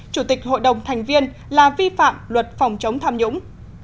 chủ tịch hội đồng thành viên là vi phạm luật phòng chống tham nhũng